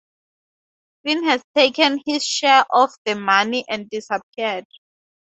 Finn has taken his share of the money and disappeared.